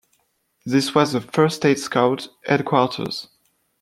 This was the first State Scout headquarters.